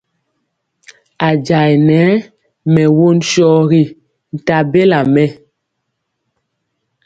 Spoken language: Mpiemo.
A jayɛ nɛ mɛ won sɔgi nta bela mɛ.